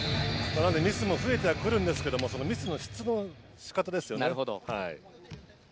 ミスも増えてはくるんですけどミスのしかたですよね。